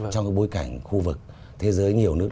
trong bối cảnh khu vực thế giới nhiều nước